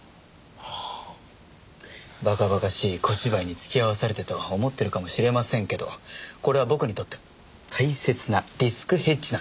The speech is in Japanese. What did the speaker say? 馬鹿馬鹿しい小芝居に付き合わされてと思ってるかもしれませんけどこれは僕にとって大切なリスクヘッジなんですからね。